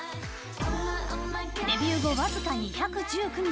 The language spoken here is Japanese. デビュー後わずか２１９日